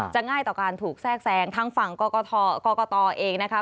ง่ายต่อการถูกแทรกแซงทางฝั่งกรกตเองนะคะ